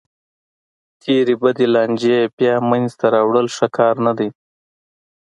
تېرې بدې لانجې بیا منځ ته راوړل ښه کار نه دی.